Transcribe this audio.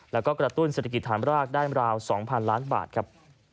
แล้วก็กระตุ้นเศรษฐกิจฐานรากได้ราว๒๐๐๐ล้านบาทครับ